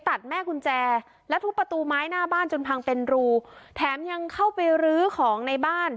แม่กุญแจและทุบประตูไม้หน้าบ้านจนพังเป็นรูแถมยังเข้าไปรื้อของในบ้าน